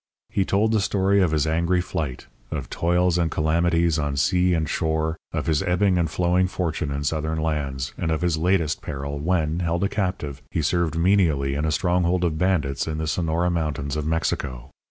He told the story of his angry flight, of toils and calamities on sea and shore, of his ebbing and flowing fortune in southern lands, and of his latest peril when, held a captive, he served menially in a stronghold of bandits in the Sonora Mountains of Mexico.